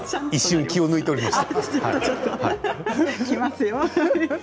一瞬、気を抜いておりました。